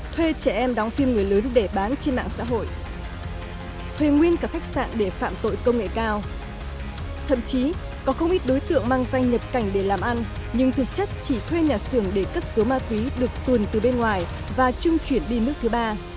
thuê trẻ em đóng phim người lớn để bán trên mạng xã hội thuê nguyên cả khách sạn để phạm tội công nghệ cao thậm chí có không ít đối tượng mang danh nhập cảnh để làm ăn nhưng thực chất chỉ thuê nhà xưởng để cất số ma túy được tuồn từ bên ngoài và trung chuyển đi nước thứ ba